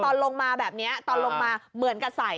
ตอนลงมาแบบนี้ตอนลงมาเหมือนกับใส่